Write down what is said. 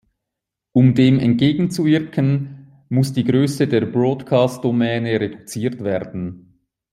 Um dem entgegenzuwirken, muss die Größe der Broadcast-Domäne reduziert werden.